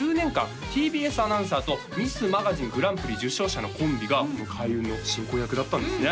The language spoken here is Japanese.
ＴＢＳアナウンサーとミスマガジングランプリ受賞者のコンビがこの開運の進行役だったんですね